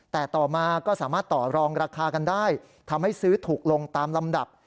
แต่ต่อมาก็สามารถต่อรองราคากันได้ทำให้ซื้อถูกลงตามลำดับ